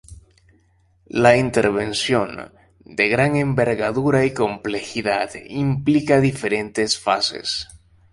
La intervención, de gran envergadura y complejidad, implica diferentes fases.